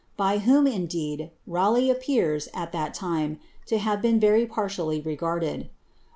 by whom, indeed. Raleigh af) that lime, to have been »ery partially regarded.